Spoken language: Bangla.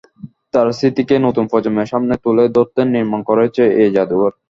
তাঁর স্মৃতিকেই নতুন প্রজন্মের সামনে তুলে ধরতে নির্মাণ করা হয়েছে এই জাদুঘর।